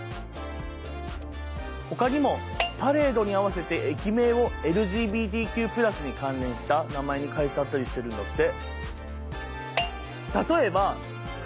ほかにもパレードに合わせて駅名をＬＧＢＴＱ＋に関連した名前に変えちゃったりしてるんだって。